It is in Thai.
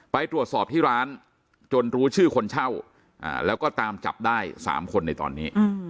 ไปตรวจสอบที่ร้านจนรู้ชื่อคนเช่าแล้วก็ตามจับได้๓คนในตอนนี้